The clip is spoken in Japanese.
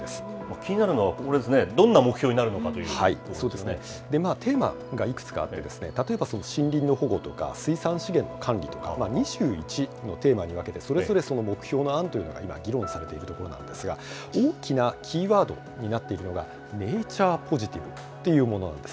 気になるのは、ここですね、どんな目標になるのかということテーマがいくつかあって、例えば森林の保護とか、水産資源の管理とか、２１のテーマに分けて、それぞれその目標の案というのが今、議論されているところなんですが、大きなキーワードになっているのが、ＮａｔｕｒｅＰｏｓｉｔｉｖｅというものなんです。